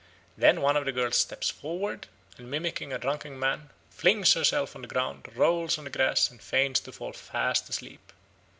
Then one of the girls steps forward, and mimicking a drunken man, flings herself on the ground, rolls on the grass, and feigns to fall fast asleep.